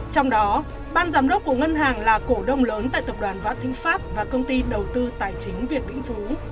trong đó ban giám đốc của ngân hàng là cổ đông lớn tại tập đoàn vạn thịnh pháp và công ty đầu tư tài chính việt vĩnh phú